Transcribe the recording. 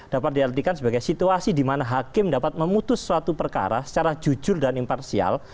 dapat diartikan sebagai situasi di mana hakim dapat memutus suatu perkara secara jujur dan imparsial